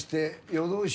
夜通し？